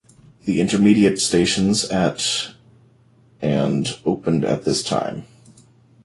The intermediate stations at and opened at this time.